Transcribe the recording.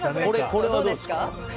これはどうですか？